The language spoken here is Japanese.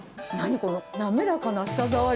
この滑らかな舌触り。